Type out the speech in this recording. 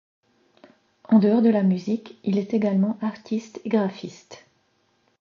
En dehors de la musique, il est également artiste et graphiste.